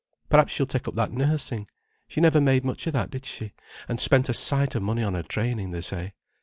Perhaps she'll take up that nursing. She never made much of that, did she—and spent a sight of money on her training, they say.